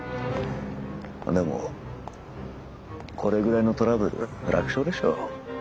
でもこれぐらいのトラブル楽勝でしょう。